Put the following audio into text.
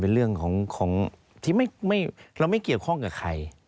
เป็นเรื่องของที่เราไม่เกี่ยวข้องกับใคร